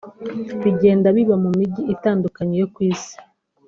bigenda biba mu mijyi itandukanye yo ku isi